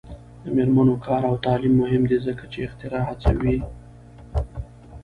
د میرمنو کار او تعلیم مهم دی ځکه چې اختراع هڅوي.